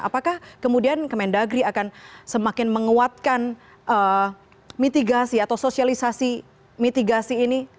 apakah kemudian kemendagri akan semakin menguatkan mitigasi atau sosialisasi mitigasi ini